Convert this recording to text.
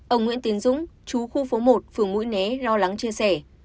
ông nguyễn tiến dũng chú khu phố một phường mũi né lo lắng chia sẻ